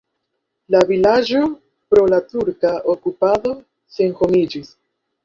La vilaĝo pro la turka okupado senhomiĝis.